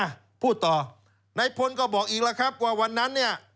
อ่ะพูดต่อนายพลก็บอกอีกแล้วครับว่าวันนั้นเนี่ย